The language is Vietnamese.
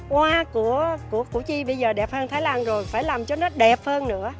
hoa của chị bây giờ đẹp hơn thái lan rồi phải làm cho nó đẹp hơn nữa